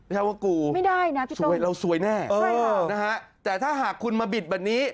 ใช้คำว่ากูเราสวยแน่นะฮะแต่ถ้าหากคุณมาบิดแบบนี้